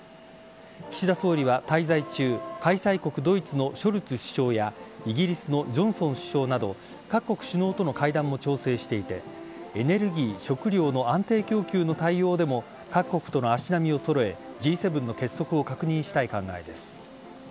岸田総理は滞在中開催国・ドイツのショルツ首相やイギリスのジョンソン首相など各国首脳との会談も調整していてエネルギー、食料の安定供給の対応でも各国との足並みを揃えＧ７の結束を確認したい考えです。